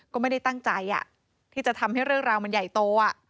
ก็ไม่ได้ตั้งใจที่จะทำให้เรื่องราวมันใหญ่โต